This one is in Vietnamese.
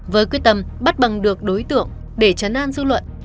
với quyết tâm bắt bằng được đối tượng để chấn an dư luận